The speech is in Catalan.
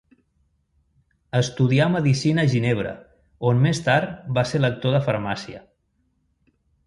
Estudià medicina a ginebra on més tard va ser lector de farmàcia.